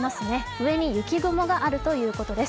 上に雪雲があるということです。